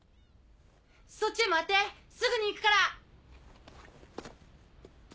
そっちへ回ってすぐに行くから。